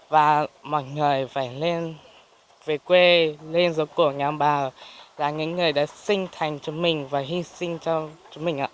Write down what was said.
và mọi người phải lên về quê lên giống của nhà bà là những người đã sinh thành cho mình và hi sinh cho mình ạ